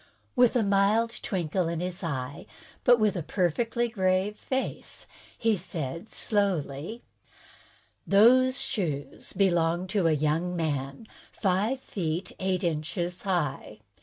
With a mild twinkle in his eye, but with a perfectly grave face, he said slowly: "Those shoes belong to a young man, five feet eight inches high.